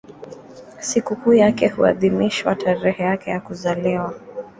Sikukuu yake huadhimishwa tarehe yake ya kuzaliwa.